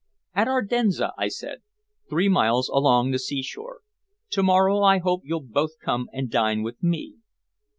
"At Ardenza," I said. "Three miles along the sea shore. To morrow I hope you'll both come and dine with me."